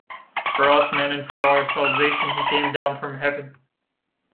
For us men and for our salvation he came down from heaven: